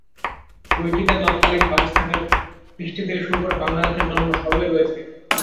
বইটিতে তৎকালীন পাকিস্তানের কৃষ্টি থেকে শুরু করে বাংলাদেশের জন্ম সবই রয়েছে।